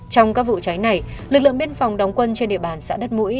trong các vụ cháy này lực lượng biên phòng đóng quân trên địa bàn xã đất mũi